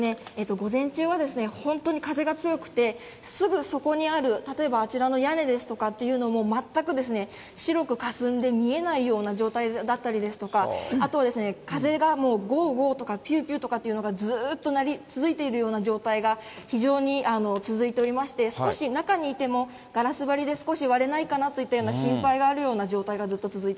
午前中はですね、本当に風が強くて、すぐそこにある例えばあちらの屋根ですとかっていうのも、全く白くかすんで見えないような状態だったりですとか、あとは風がもうごーごーとかぴゅーぴゅーとかというのが、ずーと鳴り続いているような状態が非常に続いておりまして、少し中にいても、ガラス張りで少し割れないかなといった心配があるような状態がず